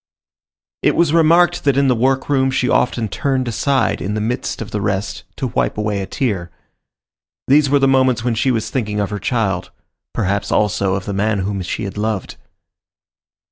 It was remarked that in the workroom she often turned aside, in the midst of the rest, to wipe away a tear. These were the moments when she was thinking of her child; perhaps, also, of the man whom she had loved.